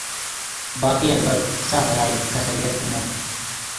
باقی البت ساف ڤرائی سے خیریت فرمف۔